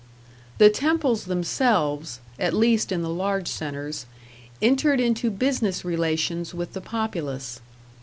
The temples themselves at least in the large centres entered into business relations with the populace.